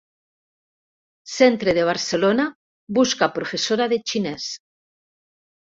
Centre de Barcelona busca professora de xinès.